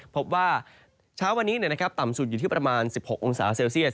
พบว่าเช้าวันนี้ต่ำสุดอยู่ที่ประมาณ๑๖องศาเซลเซียส